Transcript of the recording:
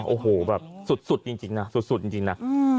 โอ้โหแบบสุดจริงนะ